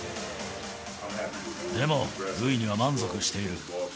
でも、ルイには満足している。